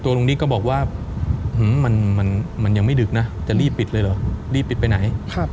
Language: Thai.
ลุงนิดก็บอกว่ามันยังไม่ดึกนะจะรีบปิดเลยเหรอรีบปิดไปไหน